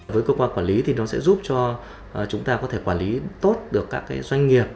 với cơ quan quản lý thì nó sẽ giúp cho chúng ta có thể quản lý tốt được các doanh nghiệp